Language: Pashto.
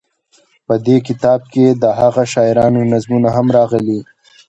په دې کتاب کې دهغه شاعرانو نظمونه هم راغلي.